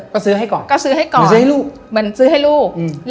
ก็ซื้อให้ก่อนก็ซื้อให้ก่อนซื้อให้ลูกเหมือนซื้อให้ลูก